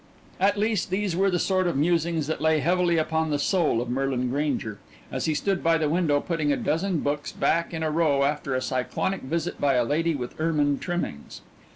At least these were the sort of musings that lay heavily upon the soul of Merlin Grainger, as he stood by the window putting a dozen books back in a row after a cyclonic visit by a lady with ermine trimmings.